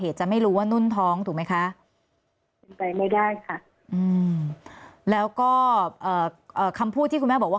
จะไม่รู้ว่านุ่นท้องถูกไหมคะเป็นไปไม่ได้ค่ะแล้วก็คำพูดที่คุณแม่บอกว่า